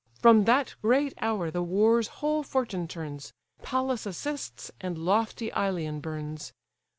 From that great hour the war's whole fortune turns, Pallas assists, and lofty Ilion burns.